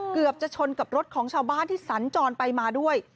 เกือบจะชนกับรถของชาวบ้านที่สัญจรไปมาด้วย